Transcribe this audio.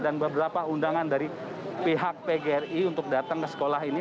dan beberapa undangan dari pihak pgri untuk datang ke sekolah ini